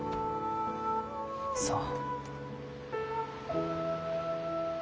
そう。